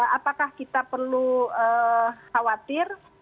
apakah kita perlu khawatir